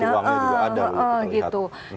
belikit begitu uangnya juga ada